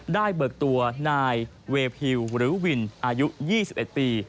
เบิกตัวนายเวพิวหรือวินอายุ๒๑ปี